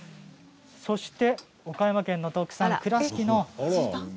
そして岡山県特産倉敷の。